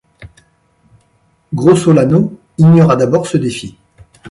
Grossolano ignora d'abord ce défi.